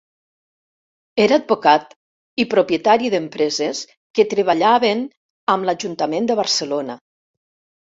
Era advocat i propietari d'empreses que treballaven amb l'Ajuntament de Barcelona.